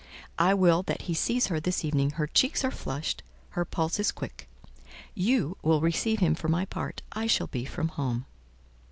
I will that he sees her this evening; her cheeks are flushed, her pulse is quick; you will receive him—for my part, I shall be from home."